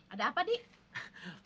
ada apa dik